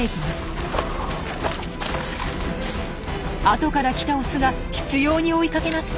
後から来たオスが執拗に追いかけます。